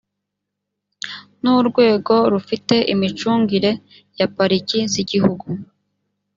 n urwego rufite imicungire ya pariki z igihugu